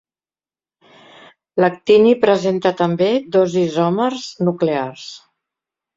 L'actini presenta també dos isòmers nuclears.